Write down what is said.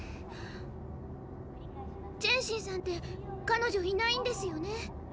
チェンシンさんって彼女いないんですよね？